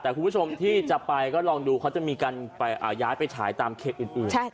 แต่คุณผู้ชมที่จะไปก็ลองดูเขาจะมีการย้ายไปฉายตามเขตอื่น